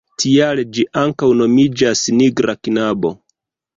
Tial ĝi ankaŭ nomiĝas „nigra knabo“.